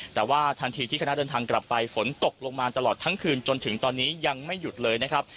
แต่ว่าทันทีที่คณะเดินทางกลับไปฝนตกลงมาตลอดทั้งคืนจนถึงตอนนี้ยังไม่หยุดเลยนะครับ